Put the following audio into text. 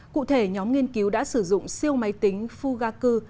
cụ thể nhóm nghiên cứu đã sử dụng siêu máy tính fugaku